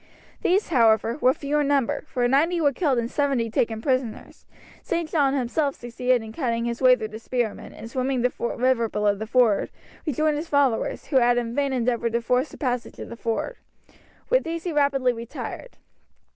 These, however, were few in number, for ninety were killed and seventy taken prisoners. St. John himself succeeded in cutting his way through the spearmen, and, swimming the river below the ford, rejoined his followers, who had in vain endeavoured to force the passage of the ford. With these he rapidly retired.